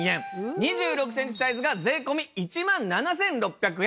２６センチサイズが税込１万７６００円。